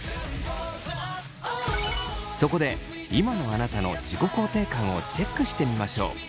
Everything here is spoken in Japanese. そこで今のあなたの自己肯定感をチェックしてみましょう。